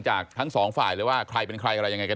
จากทั้งสองฝ่ายเลยว่าใครเป็นใคร